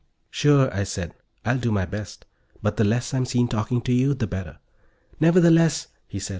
"Sure," I said. "I'll do my best. But the less I'm seen talking to you, the better." "Nevertheless," he said.